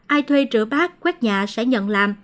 ai thuê rửa bát quét nhà sẽ nhận làm